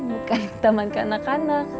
bukan taman ke anak anak